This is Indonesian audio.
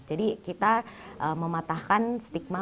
jadi kita mematahkan stigma